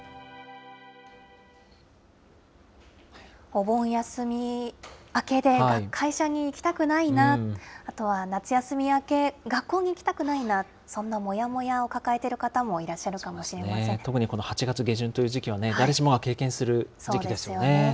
お盆休み明けで会社に行きたくないな、あとは夏休み明け、学校に行きたくないな、そんなもやもやを抱えてる方もいらっしゃ特にこの８月下旬という時期は、誰しもが経験する時期ですよね。